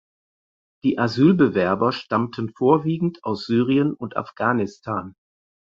Die Asylbewerber stammten vorwiegend aus Syrien und Afghanistan.